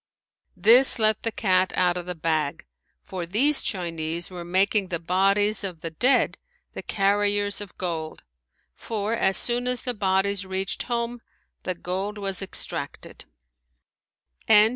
This let the cat out of the bag, for these Chinese were making the bodies of the dead the carriers of gold, for as soon as the bodies reached home the gold was extracted.